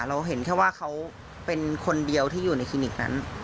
เราเห็นแค่ว่าเขาเป็นคนเดียวที่อยู่ในคลินิกนั้น